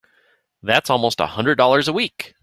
That's almost a hundred dollars a week!